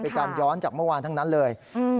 การย้อนจากเมื่อวานทั้งนั้นเลย